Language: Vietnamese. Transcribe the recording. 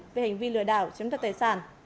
về hình vi lừa đảo chiếm thật tài sản